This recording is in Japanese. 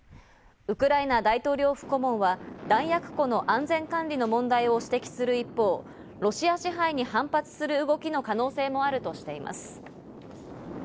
ウクライナ大統領府顧問は弾薬庫の安全管理の問題を指摘する一方、ロシア支配に反発する動きの可能性もあると指摘しています。